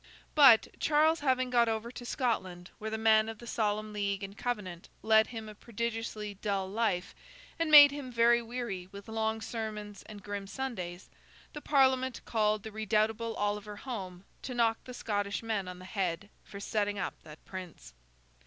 But, Charles having got over to Scotland where the men of the Solemn League and Covenant led him a prodigiously dull life and made him very weary with long sermons and grim Sundays, the Parliament called the redoubtable Oliver home to knock the Scottish men on the head for setting up that Prince.